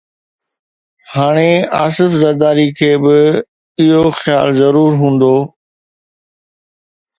هاڻ آصف زرداري کي به اهو خيال ضرور هوندو